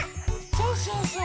そうそうそう。